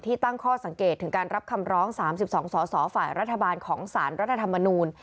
ตั้งข้อสังเกตถึงการรับคำร้อง๓๒สสฝ่ายรัฐบาลของสารรัฐธรรมนูล